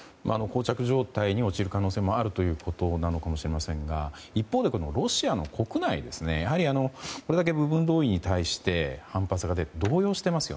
膠着状態に陥る可能性もあるのかもしれませんが一方でロシアの国内でこれだけ、部分動員に対して反発が出て、動揺しています。